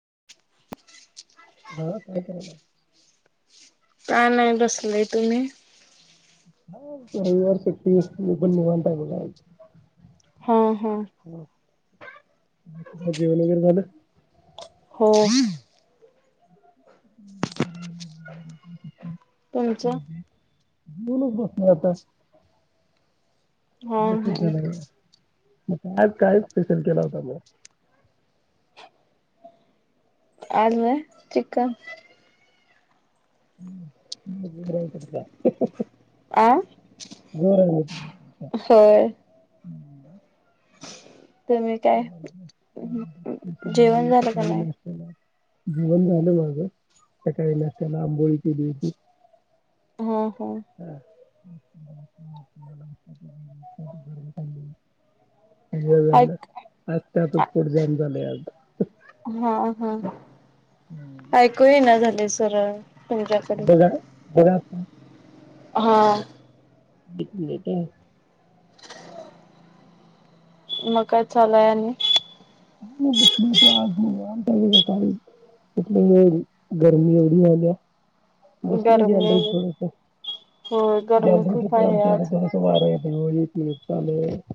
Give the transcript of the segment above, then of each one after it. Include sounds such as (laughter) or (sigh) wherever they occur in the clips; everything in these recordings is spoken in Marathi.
(inaudible) (inaudible) काय नाही बसलय, तुम्ही. हा रविवार सुट्टी मी पण निवांत आहे बघा आज. हम. ह, जेवण वगैरे झालं. (inaudible) तुमचं? (inaudible) जेवूनच बसलोय आता. हो जस्टच हम्. झालं बघा. (unintelligible) काय स्पेशल केला होता म. आणलं चिकन. आ (unintelligible) होय (inaudible) तुम्ही (unintelligible) काय जेवण झालं का नाही? जेवन झालं माझं, सकाळी नाश्त्याला आंबोळी केली होती. हम हम. (inaudible) हे झालं, ऐक आज त्यातच पोट जाम झालय आज. ह ह, हम्म. ऐकू ईना झालय सरळ. तुमच्याकडे (unintelligible) हा. एक मिनिटं अं, मग काय चालूय आणि, (unintelligible) इथली लय, गर्मी एवढी वाढल्या बसलोय गरमी गॅलरीत थोडस. होय गरमी गॅलरीत खूप हितं आहे आमच्या आज हितं कसं वारं येतंय ओ, (unintelligible)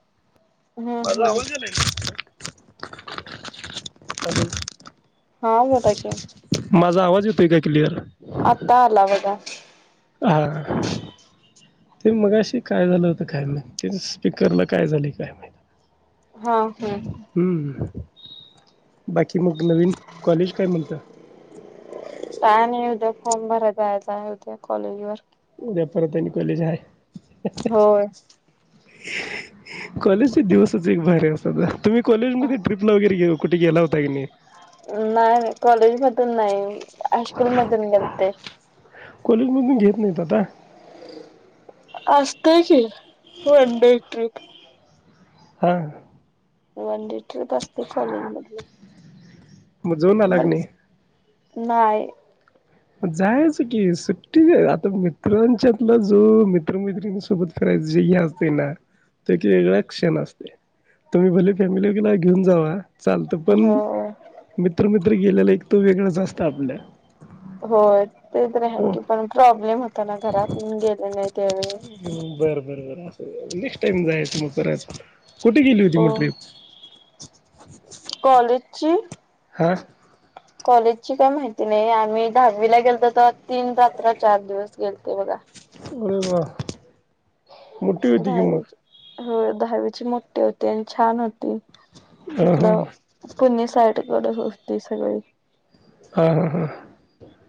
हम्म माझा हम्म आवाज येईना, (unintelligible) हा होता की, माझा आवाज येतोय, काय क्लियर आता आला बघा. हा, ते मगाशी काय झालं होत, काय माहित ते स्पीकरला काय झालंय काय माहित. हा हम्म हम्म, बाकी मग नवीन कॉलेज काय म्हणतं, काय नाही उद्या फॉर्म भरायला जायाचाय उद्या कॉलेज वर, उद्या परत आणि कॉलेज हाय, होय.. कॉलेजचे दिवसच एक भारी असतात. तुम्ही कॉलेज मध्ये ट्रिपला वगैरे गेलो कुठे गेला होता की नाही. नाय मी कॉलेज मधून नाही हायस्कूल मधून गेलते. कॉलेज मधून घेत नाहीत आता, असतय की वनडे ट्रिप, हा, वनडे ट्रीप असते कॉलेज मधले. मग जवून आला की नाही? नाही. जायचं की सुट्टी तर मित्रांच्यातला जो मित्रमैत्रिणी सोबत फिरायचे हे असते ना त एक वेगळाच क्षण असतो, तुम्ही भले फॅमिलीला घेऊन जावा. चालतं पण हो मित्र मित्र गेलेला एक तो वेगळंच असतं आपल्या हो ते तर आहे हो की पण प्रॉब्लेम होता ना घरातून गेले नाही त्यावेळी. बर बर असं नेक्स्ट टाइम जाय त मग करायच, कुठे गेली होती मग हो ट्रिप? (inaudible) कॉलेजची? हा. कॉलेजची काय माहिती नाही. आम्ही दहावीला गेलतो तर तीन रात्र चार दिवस गेलतो बघा. अरे वा मोठी होती की मग. दहावीची हो. दहावीची मोठी होती आणि छान होती हा हा इकडं पुणे साईड कडे होते सगळी. हा हा हा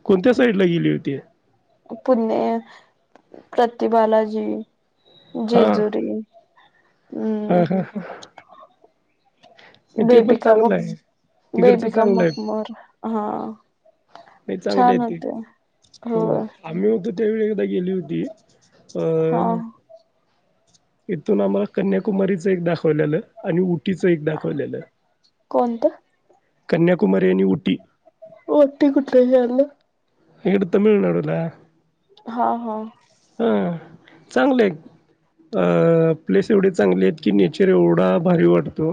कोणत्या साईड ला गेली होती? पुणे, प्रतिबालाजी, जेजुरी. हा हा हम्म हा. ते पण बेबिका मक चांगलं आहे. तिकडच बेबिका चांगलं आहे. मकमर हा नाही चांगल आहे छान ते होते. हो होय आम्ही हो त्या वेळी एकदा गेली होती. अ हा इथून आम्हाला कन्याकुमारीच एक दाखवलेलं आणि ऊटीच एक दाखवलेलं. कोणतं? कन्याकुमारी आणि ऊटी. उटी कुठं हे आलं? इकडं तमिळनाडूला. हा हा. हा चांगले अं प्लेस एवढी चांगली आहेत की नेचर एवढा भारी वाटतो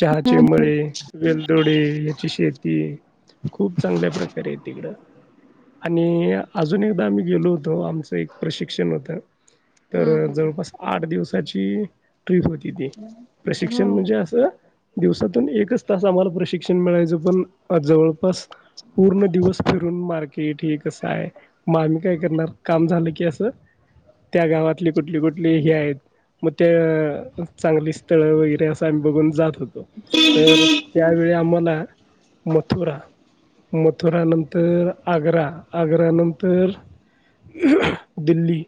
चहाचे हम्म मळे, वेलदोडे याची शेती. खूप चांगल्या प्रकारे आहे तिकडं आणि अजून एकदा आम्ही गेलो होतो आमचं एक प्रशिक्षण होतं. तर हम्म जवळपास आठ दिवसाची. ट्रीप होती ती प्रशिक्षण हम्म. म्हणजे असं दिवसातून एकच तास आम्हाला प्रशिक्षण मिळायचं पण जवळपास पूर्ण दिवस फिरून मार्के की ठीक कसं आहे मग आम्ही काय करणार काम झालं की असं त्या गावातली कुठली कुठली हे आहेत म ते अं चांगली स्थळं वगैरे असं आम्ही बघून जात हो तो तर त्यावेळी आम्हाला मथुरा मथुरा नंतर आग्रा, आग्रा नंतर (unintelligible) दिल्ली.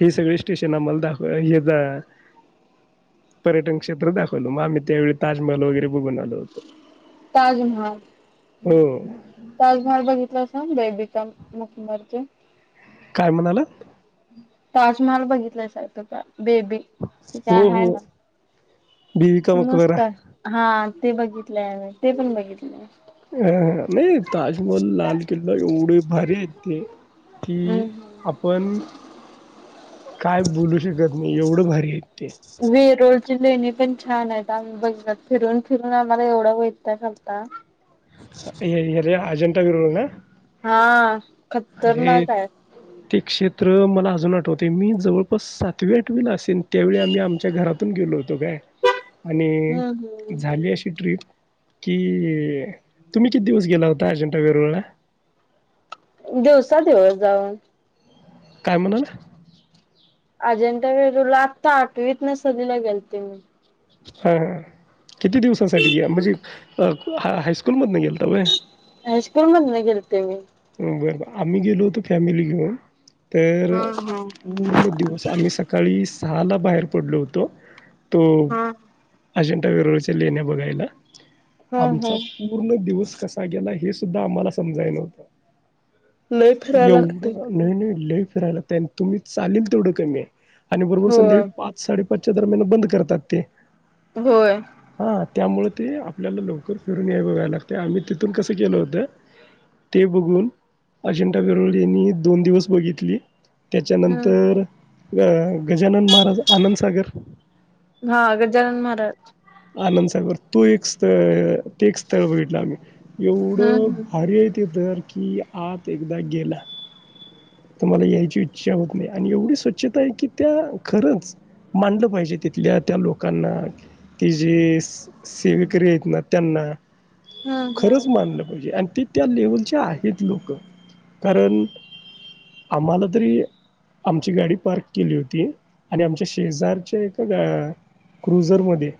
ही सगळी स्टेशन आम्हाल दाखव हे जा पर्यटन क्षेत्र दाखवलं. म आम्ही त्यावेळी ताजमहल वगैरे बघून आलो होतो. ताजमहल, हो ताजमहल बघितलं अस बे गम मुखमरचे काय म्हणालात? ताजमहाल बघितलायसा कसा? बेबी ते काय हो हाय हो ना? बीबी का मकबरा मस्त हाय. हा. ते बघितलंय आमी ते पण बघितलंय. ह ह नाही ताजमहल, लाल किल्ला एवढे भा भारी आहेत ते की हम्म आपण काय बोलू श कत नही एवढं भारी हाय. वेरूळ ची लेणी पण छा छान आहेत आम्ही बघितल्यात फिरून फिरून आम्हाला एवढा वैताग आलता. हे रे अजंठा वेरूळ ना? हा अरे खतरनाक हाय. ते क्षेत्र मला अजून आठवतय मी जवळपास सातवी, आठवी ला असेन त्यावेळी आम्ही आमच्या घरात तून गेलो होतो काय आणि हम्म हम्म झाली अशी ट्रीप कि तुम्ही किती दिवस गेला होता? अजंठा वेरुळला दिवसा दिवस जाऊन काय म्हणालां अजंठा वेरूला आत्ता आठवीतन सलीला गेलते मी. हा हा किती दिवसाांसाठी गे म्हणजे हायस्कूल मधन गे हायस्कूल मधन गेलते मी बर बर आम्ही गेलो होतो फॅमिली घिऊन तर हा अं हा. पूर्ण दिवस आम्ही सकाळी सहाला बाहेर पडलो होतो. तो हा अजंटा वेरूळच्या लेण्या बघायला हा हा आमचा पूर्ण दिवस कसा गेला हे सुद्धा आम्हाला समजाय नव्हतं. लय फिरायला लागतय एवढं, नाही नाही ल य फिरायला तुम्ही चालेल तेवढं कमीय आणि बरोबर होय. संध्याकाळी पाच साडे पाच च्या दरम्यान बंद करतात ते होय हा त्यामुळे ते आपल्याला लवकर फिरून याय बघाय लागतय, आम्ही तिथून कसं केलं होतं ते बघून अजंठा वेरूळ लेणी दोन दिवस बघितली हम्म त्याच्यानंतर अ गजानन महाराज आनंदसागर हा गजानन महाराज आनंदसागर तू एक स्थ ते एक स्थळं बघितलं आम्ही एवढं हम्म हम्म भारी हाय ते तर, की आत एकदा गेलां तुम्हाला यायची इच्छा होत नाही आणि एवढी स्वच्छता आहे की त्या खरंच मानलं पाहिजे तिथल्या त्या लोकांना ती जे सेवेकरी आहेत ना त्यांना. हम्म हम्म. खरंच मानलं पाहिजे आणि ते त्या लेवलचे आहेत लोकं कारण आम्हाला तरी आमची गाडी पार्क केली होती आणि आमच्या शेजारच्या एका गा क्रुझरमध्ये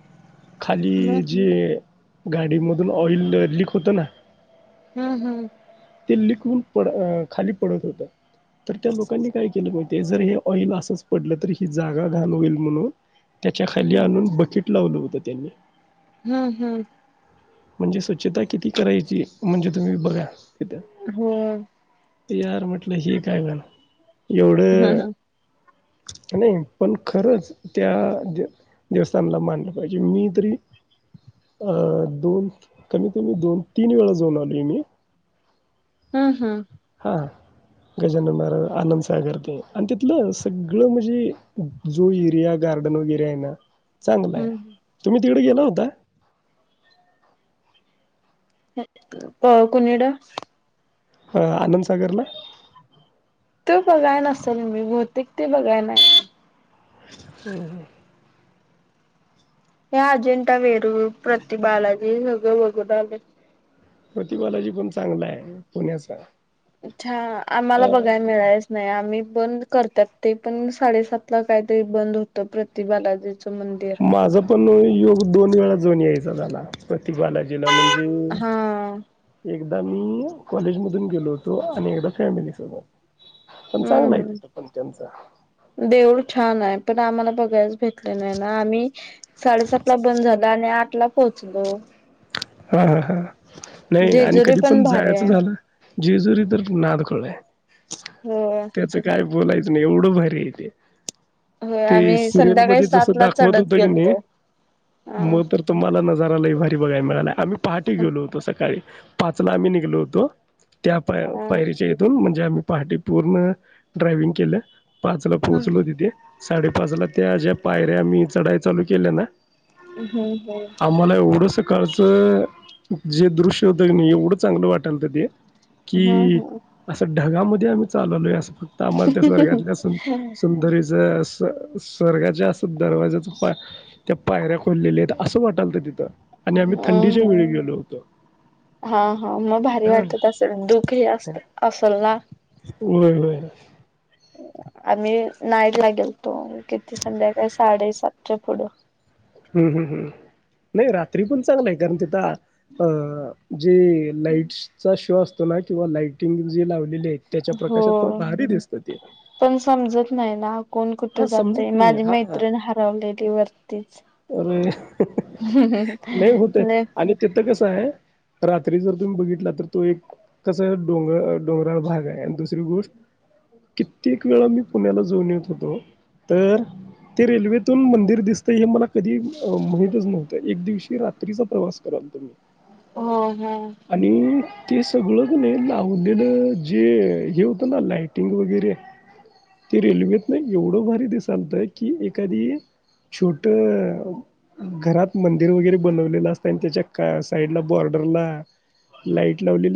हम्म खाली जे गाडीमधून ऑइल लिक होत ना हम्म हम्म लिक हून पड अ खाली पडत होत. तर त्या लोकांनी काय केलं माहित्याय जर हे ऑइल असंच पडलं तर ही जागा घाण होईल म्हणून त्याच्या खाली हम्म आणून बकिट लावलं होतं त्यांनी. हम्म हम्म म्हणजे स्वच्छता किती करायची म्हणजे तुम्ही बघा. हो की यार म्हटलं हे काय भान हम्म येवढं हम्म कने पण खरंच त्या देवस्थानला मानलं पाहिजे मी तरी अ दोन कमी कमी दोन तीन वेळा जाऊन आलोय मी. अं हं. हा. गजानन महारा आनंदसागर ते आणि तीथलं सगळं म्हणजे जो एरिया गा गार्डन वगैरे आहे ना चांगलाय तुम्ही तिकडे गेला होता? क कोणीकड? अ आनंदसागरला. तो बघाय नसेल मी बहूतेक ते बघायनाई. हम्म. हे अजिंठा वेरूळ प्रति बालाजी सगळं बगुन आलोय. प्रत बालाजी पण चांगला हे पुण्याचा. अच्छा आम्हाला अ बघाय मिळायच नाय आम्ही बंद करतात ते पण साडेसात ला कायतरी बंद होत प्रति बालाजी. माझं पण योग दोन वेळा जाऊन यायचा झाला पण ती बालाजीला म्हणजे हा एक दा मी कॉलेज मधून गेलो होतो आणि एकदा फॅमिली सोबत. पण चांगलाय हम्म तिथं पण त्यांच. देऊळ छान हाय पण आम्हाला बघायच भेटल नाही ना आम्ही साडेसात ला बंद झाला आणि आ टला पोचलो. हा हा हा. नाही आणि जेजुरी कधी पण भारी जायचं आहे. झालं जीजुरी तर नादखू खुळाय हो त्याच काय बोलायचं नाही एवढं भारीयाय ते. होय ते आम्ही सिरियल संध्याकाळी मध्ये जसं सात ला दाखवत चढत होत की नई गेलतो. अ म तर तुम्हाला नजारा लईभा बघाय मिळालाय आम्ही पहाटी अ गेलो होतो सकाळी पाचला आम्ही निघलो होतो. त्या पाय पायरीच्या इथून म्हणजे आम्ही पहाटे पूर्ण ड्रायविंग केलं. पाचला पोहोचलो हम्म तिथे साडेपाच ला त्या ज्या पायऱ्या आम्ही चढाई चालू केल्या ना. अ हम्म ह. असं जे दृश्य होत कने एवढं चांगलं वाटालत ते कि हम्म असं ढगामध्ये आम्ही चालालोय असं फक्त आम्हाला त्या स्वर्गातल्या सुं सुंदरीच स्व स्वर्गाच्या दरवाज्याच पाय त्या पायऱ्या खोल्लेल्या आहेत असं वाटालत तिथं. आणि आम्ही थंडीच्या हम्म वेळी गेलो होतो. हा हा मग भारी हा वाटत असेल धुक ही असत असेल ना? होय होय. आम्ही नाईट ला गेलतो किती संध्याकाळी साडेसातच्या पुढं. हम् हम् हम् नाई रात्री पण चांगलाय कारण तिथं अ जे लाईट्स चा शो असतो ना किंवा लाईटिंग जे लावलेली आहे. हो पण समजत नाही ना. कोण हा कुठं जातय समजत नाही माझी हा मैत्रिण हारावलेली वरतीच. अरे नाही होतय आणि तिथं कसाय रात्री जर तुम्ही बघितला तर तो एक कसा डोंग डोंगराळ भाग आहे आणि दुसरी गोष्ट कित्येक वेळा मी पुण्याला जाऊन येतो. तर ते रेल्वेतून मंदिर दिसतंय हे मला कधी अ माहीतच नव्हतं एक दिवशी रात्रीचा प्रवास करालतो. होना. ते सगळं कनय लावलेल जे हे होतना लाईटिंग वगैरे ते रेल्वेतन एवढं भारी दिसालत की एखादी छोटं घरात मंदिर वगैरे बनवलेलं असतंय आणि त्याच्या का साईडला बॉर्डरला लाईट लावलेली